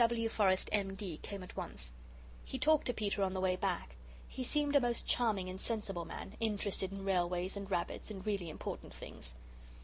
W. W. Forrest, M.D., came at once. He talked to Peter on the way back. He seemed a most charming and sensible man, interested in railways, and rabbits, and really important things.